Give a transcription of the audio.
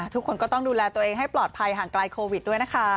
ทุกคนก็ต้องดูแลตัวเองให้ปลอดภัยห่างไกลโควิดด้วยนะคะ